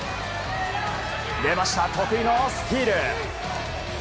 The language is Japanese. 出ました、得意のスティール。